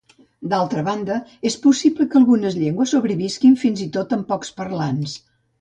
D'altra banda, és possible que algunes llengües sobrevisquin fins i tot amb pocs parlants.